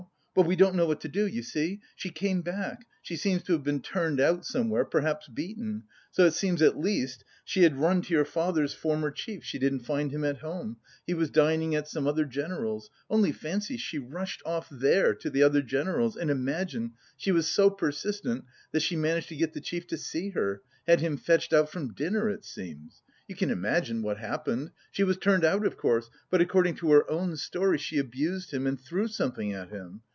But... we don't know what to do, you see! She came back she seems to have been turned out somewhere, perhaps beaten.... So it seems at least,... She had run to your father's former chief, she didn't find him at home: he was dining at some other general's.... Only fancy, she rushed off there, to the other general's, and, imagine, she was so persistent that she managed to get the chief to see her, had him fetched out from dinner, it seems. You can imagine what happened. She was turned out, of course; but, according to her own story, she abused him and threw something at him.